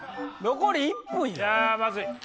残り１分やん。